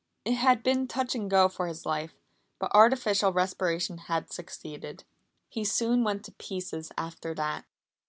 It had been touch and go for his life, but artificial respiration had succeeded. He soon went to pieces after that.